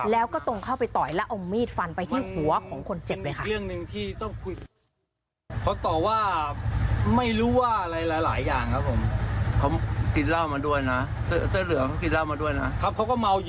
แล้วก็ตรงเข้าไปต่อยแล้วเอามีดฟันไปที่หัวของคนเจ็บเลยค่ะ